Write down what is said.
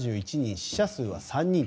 死者数は３人と。